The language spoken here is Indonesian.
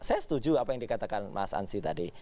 saya setuju apa yang dikatakan mas ansy tadi